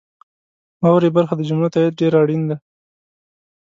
واورئ برخه د جملو تایید ډیر اړین دی.